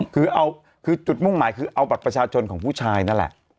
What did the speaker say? คือเอาคือจุดมุ่งหมายคือเอาบัตรประชาชนของผู้ชายนั่นแหละ